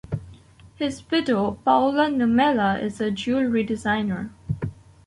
His widow Paula Nummela is a jewellery designer.